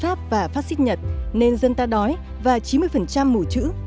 pháp là phát xích nhật nên dân ta đói và chín mươi mủ chữ